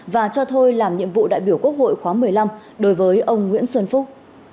và cho thôi làm nhiệm vụ đại biểu quốc hội khóa một mươi năm đối với ông nguyễn xuân phúc